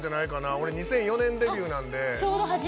俺、２００４年デビューなんで。